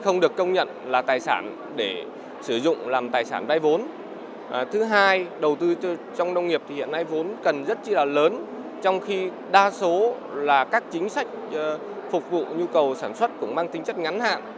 nông nghiệp hiện nay vốn cần rất là lớn trong khi đa số là các chính sách phục vụ nhu cầu sản xuất cũng mang tính chất ngắn hạn